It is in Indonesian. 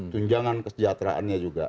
tunjangan kesejahteraannya juga